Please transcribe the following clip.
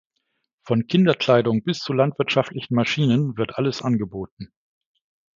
Von Kinderkleidung bis zu landwirtschaftlichen Maschinen wird alles angeboten.